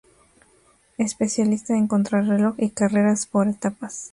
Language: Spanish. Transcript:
Especialista en contrarreloj y carreras por etapas.